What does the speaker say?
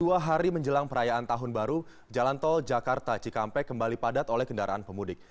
dua hari menjelang perayaan tahun baru jalan tol jakarta cikampek kembali padat oleh kendaraan pemudik